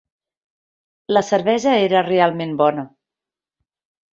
La cervesa era realment bona.